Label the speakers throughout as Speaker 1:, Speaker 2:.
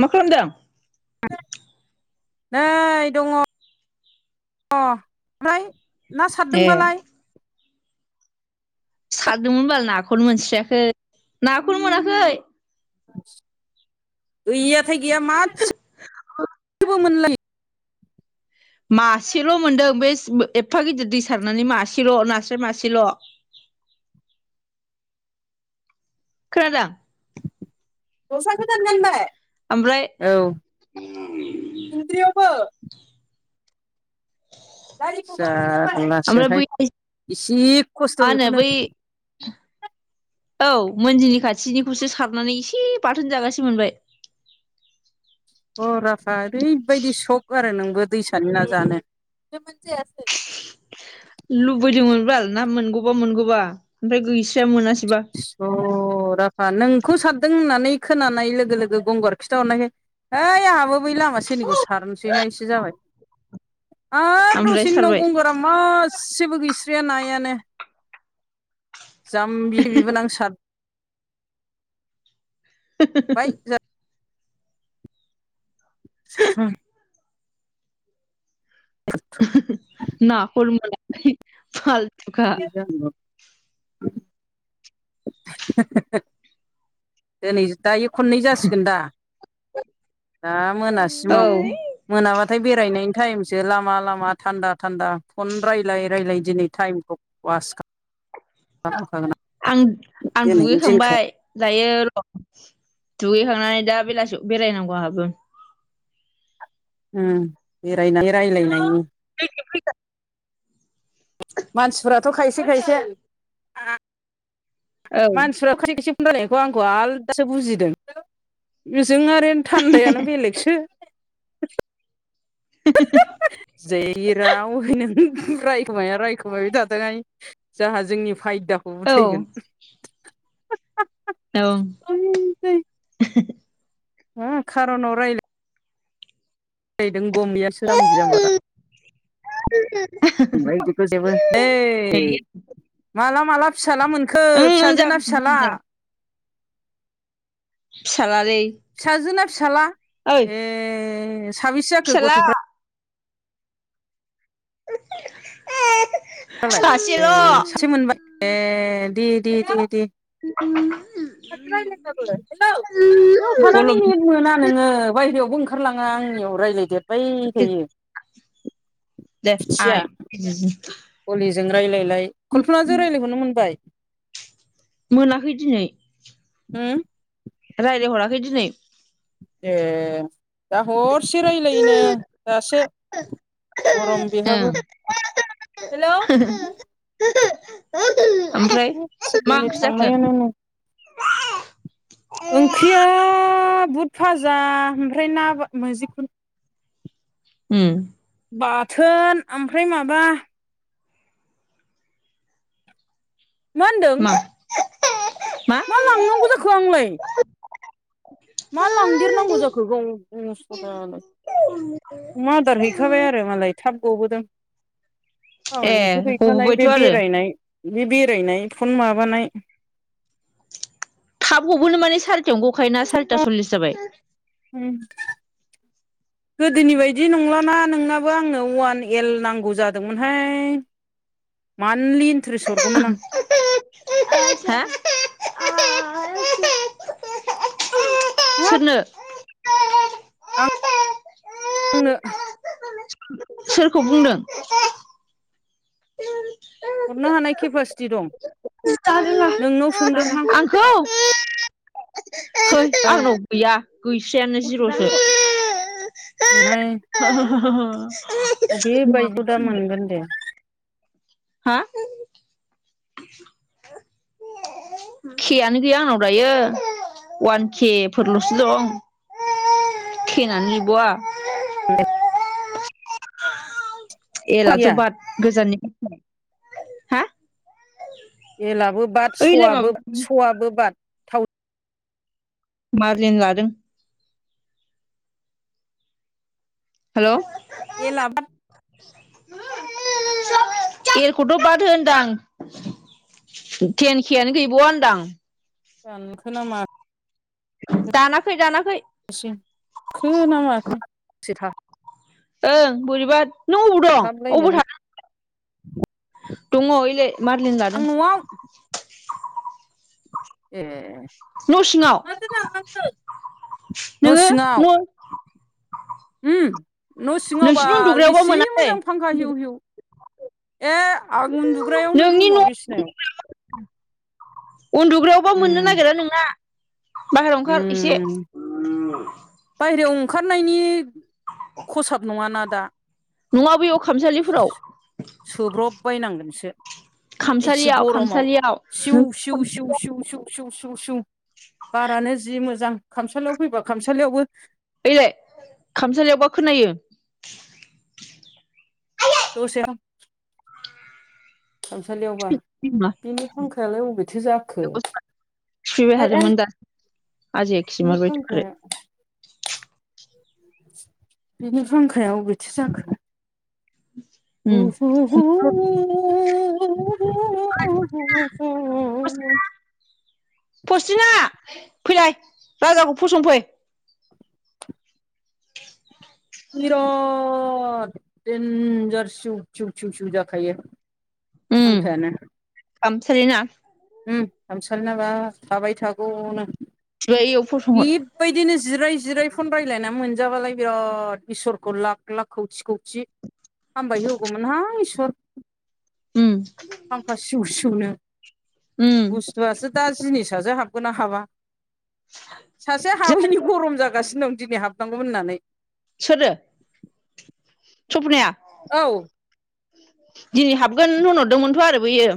Speaker 1: मा खालामदों?
Speaker 2: नै दङ अ ओमफ्राय ना
Speaker 1: ए
Speaker 2: सारदोंबालाय?
Speaker 1: सारदोंमोन बाल नाखौनो मोनस्रियाखो नाखौनो मोनाखै।
Speaker 2: [inaudible] गैयाथाय गैया मासे [inaudible] बो मोनलायै
Speaker 1: मासेल' मोनदों बे स एफा गिदिर दै सारनानै मासेल' नास्राय मासेल'। खोनादा?
Speaker 2: दसा गोदान गानबाय?
Speaker 1: ओमफ्राय
Speaker 2: औ [inaudible] इन्द्रियावबो? गारिफोरखौ
Speaker 1: ओमफ्राय
Speaker 2: जारलासोहाय
Speaker 1: बै मा
Speaker 2: इसे खस्थ'
Speaker 1: होनो
Speaker 2: बेखौनो
Speaker 1: बै [inaudible] औ मोनजिनि खाथिनिखौसो सारनानै एसे बाथोन जागासे मोनबाय।
Speaker 2: फुराखा ओरैबायदि सख आरो नोंबो दैसानि ना जानो जायासै।
Speaker 1: लुबैदोंमोन बाल ना मोनगौबा मोनगौबा ओमफ्राय गैसाया मोनासैबा।
Speaker 2: इस' राभा नोंखौ सारदों होननानै खोनानाय लोगो लोगो गंगार खिथाहरनायखाय ओइ आंहाबो बै लामा सेरनिखौ सारनोसैहाय एसे जाबाय। आरो द'
Speaker 1: ओमफ्राय
Speaker 2: सिनि उनाव
Speaker 1: सारबाय
Speaker 2: गंगार गा मासेबो गैस्राया नायानो [inaudible] जामबि बिबोनां सा बाय जा [inaudible] सां
Speaker 1: ओहोम ओम नाखौनो मोनाखै फाल्टु
Speaker 2: [unintelligible] हो होहो दिनै दायो खननै जासिगोन दा? दा
Speaker 1: औ
Speaker 2: मोनासिमाव। मोनाबाथाय बेरायनायनि टाइमसो लामा लामा थान्दा थान्दा फन रायलाय रायलाय दिनै टाइमखौ वास खा
Speaker 1: आं आं
Speaker 2: दिनैनि दिनखौ
Speaker 1: दुगैखांबाय दायो र' दुगैखांनानै दा बेलासि बेरायनांगौ आंहाबो।
Speaker 2: होम बेरायनाय रायलायनि
Speaker 1: [unintelligible]
Speaker 2: मानसिफ्राथ' खायसे खायसे
Speaker 1: औ
Speaker 2: मानसिफ्रा खायसे खायसे रायनायखौ आंखौ आलदासो बुजिदों [inaudible] ओजों आरो थान्दायानो बेलेगसो। ओहोहो जेराव हैनों रायखोमाया हाय। खोमाबाय थाथोंहाय जोंहा जोंनि फायदाखौ
Speaker 1: औ
Speaker 2: उथायगोन।
Speaker 1: औ दों [inaudible]
Speaker 2: मा खारनाव रायलाय फैदों गम गैया बे जामबि जाम्बा [inaudible] [unintelligible] ओइ माला माला फिसाला मोनख खो
Speaker 1: ओं
Speaker 2: फिसाजो‌ ना
Speaker 1: जाबाय
Speaker 2: फिसाला?
Speaker 1: नै फिसाला लै।
Speaker 2: फिसाजो ना फिसाला? ए साबेसे जाखो
Speaker 1: फिसाला
Speaker 2: गथ'फ्रा? नालाय
Speaker 1: सासेल'
Speaker 2: ए सासे मोनबाय ए दे दे दे दे।
Speaker 1: [inaudible]
Speaker 2: माथो रायलायाबो बेव थानाने
Speaker 1: गलम
Speaker 2: मोना नोङो बायह्रायावबो ओंखारलाङा आंनियाव रायलायदेर बाय थायो।
Speaker 1: दे
Speaker 2: [inaudible] फिथिया
Speaker 1: आइ
Speaker 2: [inaudible] हलिजों रायजलायलाय कल्पना जों रायज्लायहरनो मोनबाय?
Speaker 1: मोनाखै दिनै।
Speaker 2: होम।
Speaker 1: रायलायहराखै दिनै?
Speaker 2: ए दा हर से रायज्लायो नो दासो गरम
Speaker 1: ओं
Speaker 2: बेहाबो। हेलौ।
Speaker 1: होहो ओहोम ओमफ्राय मा
Speaker 2: थिनालि
Speaker 1: ओंख्रि जाखो।
Speaker 2: थांबायानो नै ओंख्रिया बुद फाजा ओमफ्राय ना मजिखुन।
Speaker 1: उम
Speaker 2: बाथोन ओमफ्राय माबा मा होनदों? मा लांनांगौ जाखो आंलाय। मा लांदेरनांगौ जाखो गावनो असदालाय अमा आदार हैखाबाय आरो मालाय थाब गबोदों। औ नोंथ'
Speaker 1: ए
Speaker 2: गैखानाय
Speaker 1: गबोबायथ'
Speaker 2: बे
Speaker 1: आरो
Speaker 2: बेरायनाय बे बेरायनाय फन माबानाय
Speaker 1: थाब गबोनो माने सारिथायावनो गखायोना सारिता सल्लिस जाबाय।
Speaker 2: उम
Speaker 1: [inaudible]
Speaker 2: गोदोनि बायदि नंलाना नोंनाबो आंनो अवान एल नांगौ जादोंमोनहाय। मान्थलि इन्ट्रेस्ट हरगौमोन आं।
Speaker 1: [inaudible]
Speaker 2: हाब
Speaker 1: सोरनो?
Speaker 2: आंनो
Speaker 1: सोरखौ बुंदों?
Speaker 2: हरनो हानाय केपासिटि दं।
Speaker 1: जादों
Speaker 2: नोंनाव सोंदोंहां
Speaker 1: आंखौ
Speaker 2: औ
Speaker 1: आंनाव गैया गैस्रायानो जिर'सो।
Speaker 2: [unintelligible]
Speaker 1: [unintelligible]
Speaker 2: अबे बायदिखौ दा मोनगोन दे
Speaker 1: हा के आनो गैया आंनाव दायो वान के फोरल'सो दं। थेनानै बहा
Speaker 2: [inaudible]
Speaker 1: एलाथ'
Speaker 2: गैया
Speaker 1: बाद गोजाननि हा
Speaker 2: एलाबो बाद
Speaker 1: ओइलाय माबा
Speaker 2: सवाबो सवाबो बाद
Speaker 1: मारजिन लादों। हेलौ
Speaker 2: एला बाद
Speaker 1: एलखौथ' बादो होनदां। तेन खेयानो गैबावा होनदां।
Speaker 2: दानखो नामा
Speaker 1: दानाखै दानाखै
Speaker 2: [inaudible] खो ना माखोसेथा
Speaker 1: ओं बोरैबा नों बबाव
Speaker 2: हामलायनो
Speaker 1: दङ ओलाय मारलिनो लादों।
Speaker 2: ए
Speaker 1: न' सिङाव नोङो न'
Speaker 2: ओम न' सिङाव
Speaker 1: नोंसिनि
Speaker 2: बाल
Speaker 1: उन्दुग्रायावबा
Speaker 2: एसे
Speaker 1: मोनालै
Speaker 2: मोजां फांखा हिउ हिउ ए आं उन्दुग्रायावनो
Speaker 1: नोंनि न'
Speaker 2: रुमाव बिसिनायाव
Speaker 1: उन्दुग्रायावबा मोननो
Speaker 2: उम
Speaker 1: नागिरा नोंना। बाहेरायाव ओंखार एसे।
Speaker 2: बायेरायाव ओंखारनायनि खसाब नङाना दा।
Speaker 1: नङा बेैयाव खामसालिफोराव
Speaker 2: सोब्रब बायनांगोनसो एसे
Speaker 1: खामसालियाव
Speaker 2: गरमाव
Speaker 1: खामसालियाव
Speaker 2: सिउ सिउ सिउ सिउ सिउ सिउ सिउ सिउ बारानो जि मोजां खामसालियाव फैबा खामसालियावबो
Speaker 1: ओइलाय खामसालियावबा खोनायो
Speaker 2: दसे थामसालियावबा
Speaker 1: बिमा
Speaker 2: बिनि फांखायालाय अबेथो जाखो
Speaker 1: थुफैबाय थादोंमोन दा आजाया खिमारबाय थुख्रो
Speaker 2: [unintelligible] बिनि फांखाया अबेथो जाखो
Speaker 1: उम
Speaker 2: [unintelligible] [unintelligible]
Speaker 1: फस्थिना फैलाय राजाखौ फसंफै।
Speaker 2: बिराट देन्जार सिउ-सिउ जाखायो। फांखायानो
Speaker 1: खामसलिना
Speaker 2: उम हामसालि नाबा थाबाय थागौनो
Speaker 1: बियाव फसंहर
Speaker 2: बेबायदिनो जिराय जिराय फन रायज्लायना मोनजाबालाय बिराद इसोरखौ लाख-लाख खौथि-खौथि हामबाय होगौमोनहां इसोर
Speaker 1: उम
Speaker 2: फांखा सिउ सिउनो
Speaker 1: उम
Speaker 2: बुस्थुआसो दा जिनिससो हाबगोन ना हाबा सासे
Speaker 1: जोहा
Speaker 2: हाबैनि गरम जागासिनो दं दिनै हाबनांगौमोन होननानै।
Speaker 1: सोरो सफनाया
Speaker 2: औ
Speaker 1: दिनै हाबगोन होनहरदोंमोनथ' आरो बैयो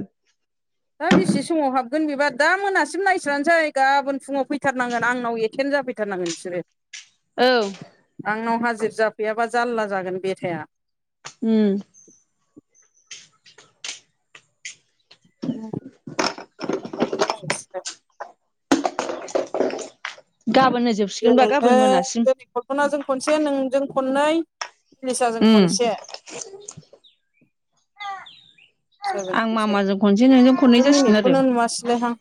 Speaker 2: दा बेसे समाव हाबगोन बेबा दा मोनासिम नायस्रानोसै गाबोन फुङाव फैथारनांगोन आंनाव एथेन्ट जाफै फैथारनांगोन बिसोरो
Speaker 1: औ
Speaker 2: आंनाव हाजिर जाफैयाबा जालला जागोन बेेथाया।
Speaker 1: उम
Speaker 2: [unintelligible]
Speaker 1: गाबोनो जोब
Speaker 2: दिरैनो दिनै खलफनाजों खनसे नोंजों खननै निलिसाजों
Speaker 1: उम
Speaker 2: खनसे जाबाय
Speaker 1: आं मामाजों खनसे नोंजों खननै जासिगोन आरो
Speaker 2: नुआसैलायहां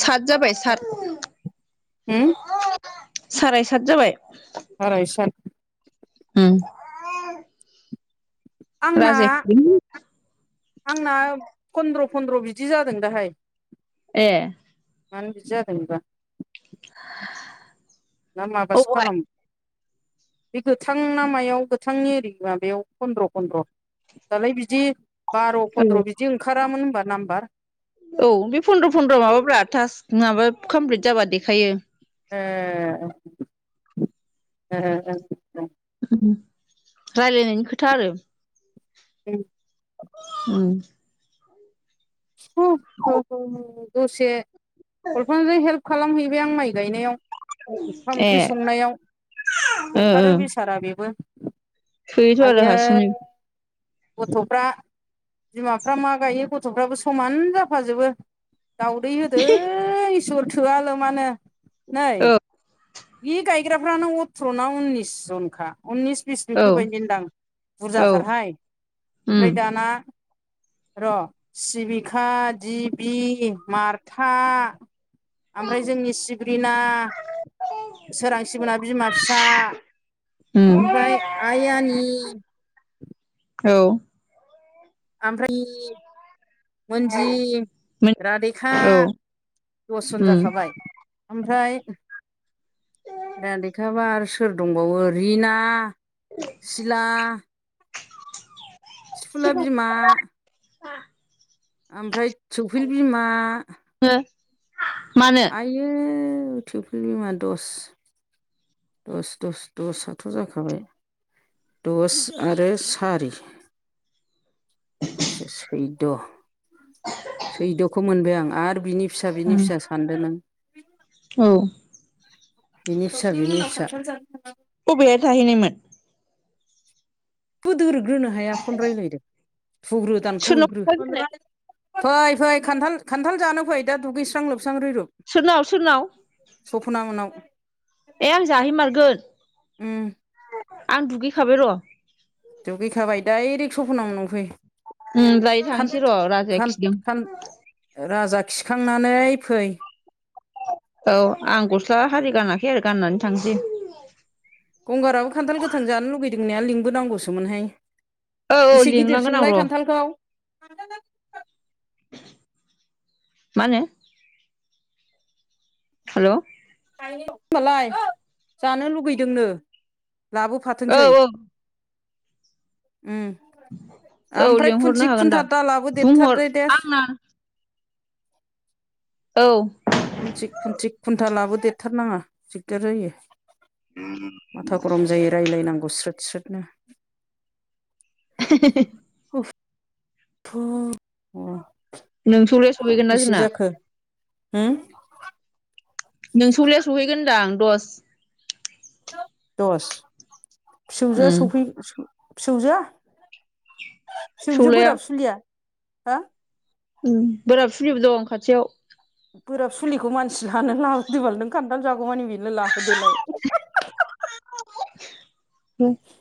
Speaker 1: सात जाबाय सात साराय सात जाबाय
Speaker 2: साराय साट
Speaker 1: उम [unintelligible]
Speaker 2: आंना
Speaker 1: राजाया
Speaker 2: आंना फन्द्र'-फन्द्र' बिदि जादों दाहाय
Speaker 1: ए
Speaker 2: मानो बिदि जादों बेबा
Speaker 1: [unintelligible]
Speaker 2: ना माबासो खालामो बे गोथां ना मायाव गोथांनि ओरै माबायाव फन्द्र'-फन्द्र' दालाय बिदि बार' फन्द्र' बिदि ओंखारामोन होनबा नाम्बार
Speaker 1: औ बे फन्द्र' फन्द्र माबाब्रा थास्क माबा कमप्लिट जाबा देखायो
Speaker 2: ए ए ए
Speaker 1: रायलायनायनि खोथा आरो
Speaker 2: [unintelligible]
Speaker 1: उ
Speaker 2: दसे कलपानाजों हेल्प खालामहैबाय आं माइ गायनायाव ओंखाम
Speaker 1: ए
Speaker 2: ओंख्रि संनायाव
Speaker 1: ओ ओ
Speaker 2: बुथारो बेसारा बेबो
Speaker 1: थोयोथ' आरो
Speaker 2: आयै
Speaker 1: हारसिंनो
Speaker 2: गथ'फ्रा बिमाफ्रा मा गायो गथ'फ्राबो समान जाफाजोबो। दावदै होदों इसोर थोआ लमानो नै
Speaker 1: औ
Speaker 2: बि गाय फैग्राफ्रानो अथ्र'ना उननिस जनखा उननिस बिस
Speaker 1: औ
Speaker 2: बेफोरबायदि नोदां
Speaker 1: औ
Speaker 2: बुरजाथारहाय
Speaker 1: उम
Speaker 2: ओमफ्राय दाना र' सिबिखा दिबि मारथा ओमफ्राय जोंनि सिब्रिना सोरांसि मोनना बिमा फिसा
Speaker 1: उम
Speaker 2: ओमफ्राय आइ आनि
Speaker 1: औ
Speaker 2: ओमफ्राय मोनजि रादेका
Speaker 1: औ
Speaker 2: द'सजन
Speaker 1: उम
Speaker 2: जाखाबाय ओमफ्राय रदेखाबा आरो सोर दंबावो रिना सिला थिफुला बिमा
Speaker 1: ओ
Speaker 2: ओमफ्राय थुफ्रि बिमा
Speaker 1: म होन [unintelligible]
Speaker 2: आयो थुफ्रि बिमा दस दस दस दसाथ' जाखाबाय दस आरो सारि सै सैद' सैद'खौ मोनबाय आं आरो बिनि फिसा बिनि
Speaker 1: उम
Speaker 2: फिसा सानदो नों
Speaker 1: औ
Speaker 2: बिनि फिसा बिनि फिसा
Speaker 1: अबेहाय थाहैनायमोन
Speaker 2: बोदोरग्रोनो हाया फन रायजलायदों थुग्रो
Speaker 1: सोरनाव
Speaker 2: दानखावहैग्रो
Speaker 1: खोन्थाग्रोनो
Speaker 2: फै फै खान्थाल खान्थाल जानो फै दा दुगैस्रां लोबस्रां रैरुप
Speaker 1: सोरनाव सोरनाव
Speaker 2: सफ'ना मोननाव
Speaker 1: ए आं जाहैमारगोन
Speaker 2: उम
Speaker 1: आं दुगैखाबाय र'
Speaker 2: दुगैखाबाय डाइरेक्ट सफना मोननावफै
Speaker 1: उम दायो
Speaker 2: खान
Speaker 1: थांसै र' राजाया
Speaker 2: खान
Speaker 1: खिदों
Speaker 2: खान राजा खिखांनानै फै।
Speaker 1: औ आं गस्ला आरि गानाखै आरो गाननानै थांसै
Speaker 2: गंगाराबो खान्थाल गोथां जानो लुगैदों होननाया लिंबो नांगौसोमोनहाय
Speaker 1: औ औ
Speaker 2: बेसे गिदिर
Speaker 1: लिंलांगोन आं
Speaker 2: सोंलाय
Speaker 1: र'
Speaker 2: खान्थालखौ
Speaker 1: माने हेल'
Speaker 2: होनबालाय जानो लुगैदोंनो लाबोफा थोंसै
Speaker 1: औ
Speaker 2: ओम
Speaker 1: औ
Speaker 2: ओमफ्राय
Speaker 1: लिंहरनो
Speaker 2: खुन्थि
Speaker 1: हागोन दा
Speaker 2: खुन्था दालाबो
Speaker 1: बुंहर
Speaker 2: देरथारदो देस
Speaker 1: आंना औ
Speaker 2: खुनथिग खुुनथिक खुन्था लाबो देरथारनाङा दिगदार जायो माथा गरम जायो रायज्लायनांगौ स्रोद स्रोदनो
Speaker 1: [unintelligible]
Speaker 2: उफ
Speaker 1: नोंसौलाया सहैगोन ना
Speaker 2: बेसे
Speaker 1: जोंना
Speaker 2: जाखो होम
Speaker 1: नोंसौलाया सौहैगोन होनदां दस
Speaker 2: दस फिसौजोआ
Speaker 1: उम
Speaker 2: सौफै फिसौजोआ फिसौजो
Speaker 1: सौलाया
Speaker 2: बोराब सोुलिया हो
Speaker 1: ओम बोराब सुलिबो दं खाथियाव
Speaker 2: बोराब सुलिखौ मानसि लानो लाबोदबाल नों खान्थाल जागौमानि बेनो लाहोदोलाय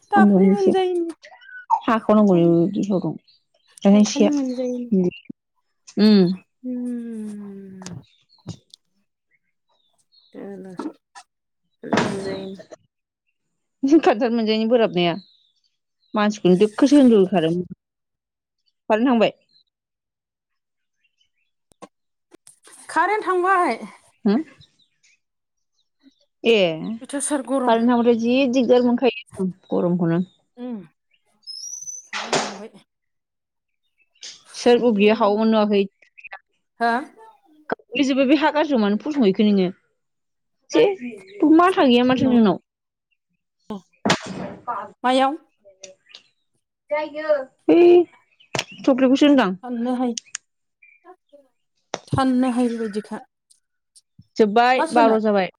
Speaker 1: ओम
Speaker 2: दाखलि मोनजायिनि दाखालि मोनजायैनि
Speaker 1: [unintelligible] उम
Speaker 2: उम दाला खालि मोनजायो
Speaker 1: खानथाल मोनजायनि बोराबनाया मानसिखौनो दोखो सो होनदो होखादोंमोन आं कारेन थांबाय
Speaker 2: खारेन थांबाय
Speaker 1: हो ए
Speaker 2: अयथासार गरम
Speaker 1: खारेन्ट थांबाथाय जि दिगदार मोनखायो गरमखौनो
Speaker 2: उम खारन थांबाय
Speaker 1: सोर अबयो हावोमोन नुवाखै
Speaker 2: होआ
Speaker 1: लेजुबो बो हा गारजिआव मनो फदुंहैखो नोङो जेबबो माथा गैया माथो नोंनाव
Speaker 2: अ मायाव
Speaker 1: है थख्लिबखौसो होनदो आं
Speaker 2: मनो‌ हायो थाननो हायिबायदिखा
Speaker 1: जोब्बाय
Speaker 2: मा
Speaker 1: बार'
Speaker 2: सोनो
Speaker 1: जाबाय